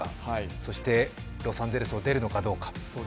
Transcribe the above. そしてロサンゼルスに出るのかどうか？